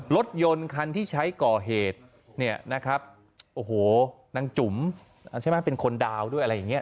รถยนต์คันที่ใช้ก่อเหตุนางจุ๋มเป็นคนดาวด้วยอะไรอย่างนี้